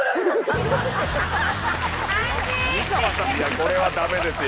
これはダメですよ。